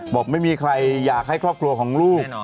บอกไม่มีใครอยากให้ครอบครัวของลูก